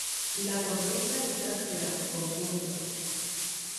La corteza es áspera, con puntos.